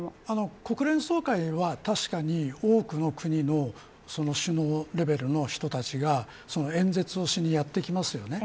国連総会は確かに、多くの国の首脳レベルの人たちが演説をしにやってきますよね。